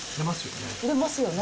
入れますよね。